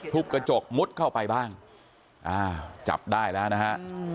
พลุกกระจกมดเข้าไปบ้างจับได้แล้วนะฮะ